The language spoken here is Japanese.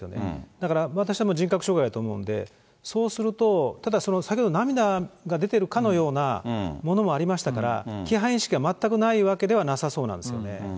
だから私ども、人格障害だと思うんで、そうすると、ただ先ほど涙が出てるかのようなものもありましたから、規範意識が全くないわけではなさそうなんですね。